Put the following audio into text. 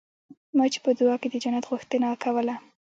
ما چې په دعا کښې د جنت غوښتنه کوله.